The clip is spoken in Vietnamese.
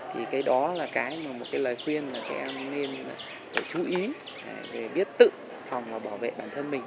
thì cái đó là cái mà một cái lời khuyên là các em nên chú ý để biết tự phòng và bảo vệ bản thân mình